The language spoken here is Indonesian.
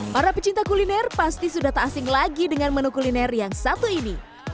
para pecinta kuliner pasti sudah tak asing lagi dengan menu kuliner yang satu ini